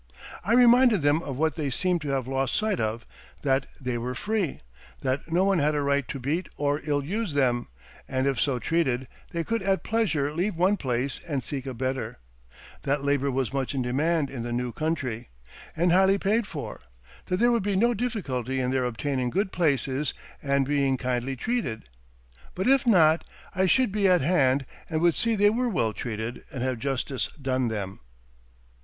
I reminded them of what they seemed to have lost sight of, that they were free; that no one had a right to beat or ill use them; and if so treated they could at pleasure leave one place and seek a better; that labor was much in demand in that new country, and highly paid for; that there would be no difficulty in their obtaining good places, and being kindly treated; but if not, I should be at hand, and would see they were well treated, and have justice done them.